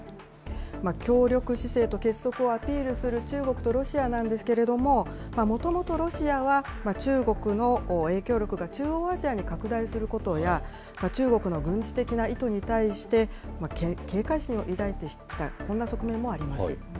協力姿勢と結束をアピールする中国とロシアなんですけれども、もともとロシアは、中国の影響力が中央アジアに拡大することや、中国の軍事的な意図に対して、警戒心を抱いてきた、こんな側面もあります。